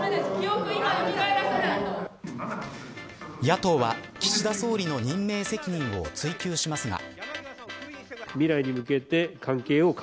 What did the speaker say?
野党は、岸田総理の任命責任を追及しますが。